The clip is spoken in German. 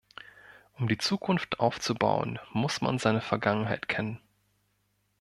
Um die Zukunft aufzubauen muss man seine Vergangenheit kennen.